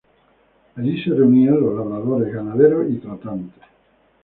Allí se reunían los labradores, ganaderos y tratantes.